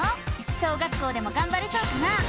小学校でもがんばれそうかな？